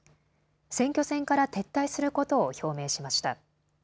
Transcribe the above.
選挙戦から撤退することを表明しました。